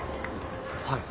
はい。